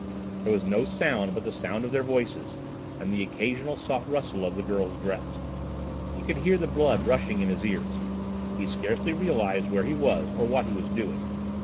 There was no sound but the sound of their voices and the occasional soft rustle of the girl's dress. He could hear the blood rushing in his ears. He scarcely realised where he was or what he was doing.